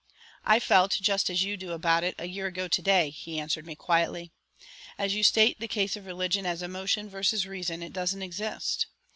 "I felt just as you do about it a year ago to day," he answered me quietly. "As you state the case of religion as emotion versus reason, it doesn't exist.